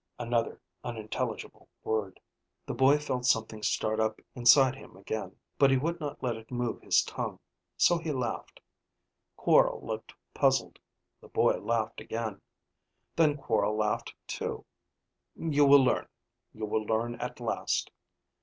(Another unintelligible word.) The boy felt something start up inside him again. But he would not let it move his tongue; so he laughed. Quorl looked puzzled. The boy laughed again. Then Quorl laughed too. "You will learn. You will learn at last."